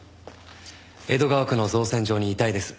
江戸川区の造船所に遺体です。